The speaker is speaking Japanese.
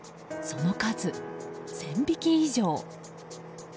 その数、１０００匹以上。